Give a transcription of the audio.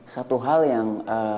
satu hal yang